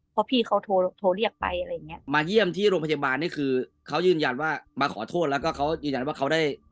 เพราะพี่เขาโทรโทรเรียกไปอะไรอย่างเงี้ยมาเยี่ยมที่โรงพยาบาลนี่คือเขายืนยันว่ามาขอโทษแล้วก็เขายืนยันว่าเขาได้